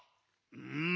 うん。